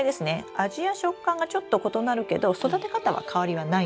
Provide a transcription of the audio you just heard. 味や食感がちょっと異なるけど育て方は変わりはないんです。